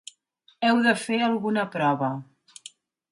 Heu de fer alguna prova.